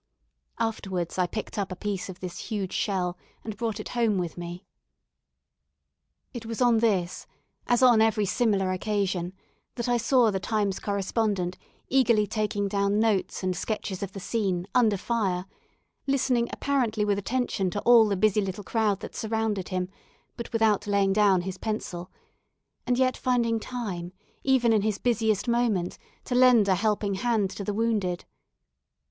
Afterwards I picked up a piece of this huge shell, and brought it home with me. It was on this, as on every similar occasion, that I saw the Times correspondent eagerly taking down notes and sketches of the scene, under fire listening apparently with attention to all the busy little crowd that surrounded him, but without laying down his pencil; and yet finding time, even in his busiest moment, to lend a helping hand to the wounded.